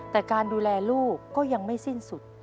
แต่การดูแลลูกก็ยังไม่สิ้นสุด